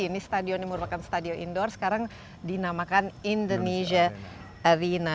ini stadion yang merupakan stadion indoor sekarang dinamakan indonesia arena